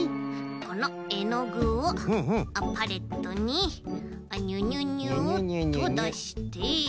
このえのぐをパレットににゅにゅにゅと。にゅにゅにゅ。だして。